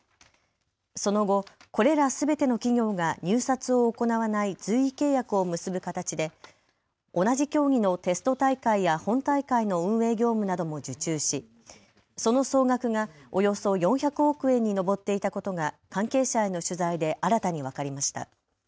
その後、これらすべての企業が入札を行わない随意契約を結ぶ形で同じ競技のテスト大会や本大会の運営業務なども受注し、その総額がおよそ４００億円に上っていたことが関係者への取材で新たに分かりました。